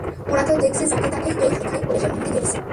ওরা তো দেখছি যাকে-তাকেই এই সময়রেখায় প্রবেশের অনুমতি দিয়ে দিচ্ছে।